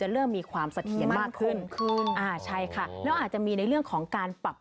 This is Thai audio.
เราจะหาว่าชีกร